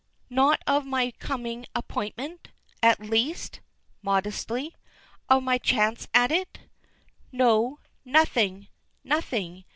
"Not of my coming appointment? At least" modestly "of my chance of it?" "No. Nothing, nothing.